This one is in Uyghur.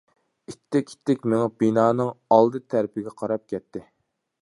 ئىتتىك-ئىتتىك مېڭىپ بىنانىڭ ئالدى تەرىپىگە قاراپ كەتتى.